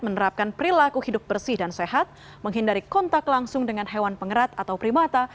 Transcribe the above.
menerapkan perilaku hidup bersih dan sehat menghindari kontak langsung dengan hewan pengerat atau primata